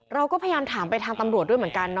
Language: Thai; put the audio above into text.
เราก็พยายามถามไปทางตำรวจด้วยเหมือนกันนะ